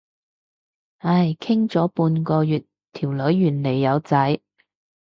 唉，傾咗半個月，條女原來有仔。